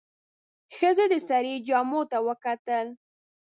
ښځې د سړي جامو ته وکتل.